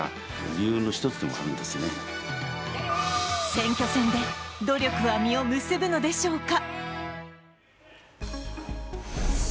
選挙戦で努力は実を結ぶのでしょうか。